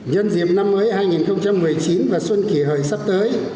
nhân dịp năm mới hai nghìn một mươi chín và xuân kỳ hời sắp tới